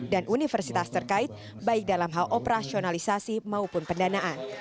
dan universitas terkait baik dalam hal operasionalisasi maupun pendanaan